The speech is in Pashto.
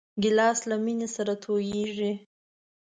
ګیلاس له مېنې سره تودېږي.